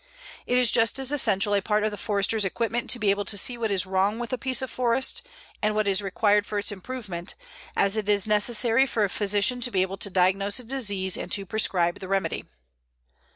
It is just as essential a part of the Forester's equipment to be able to see what is wrong with a piece of forest, and what is required for its improvement, as it is necessary for a physician to be able to diagnose a disease and to prescribe the remedy.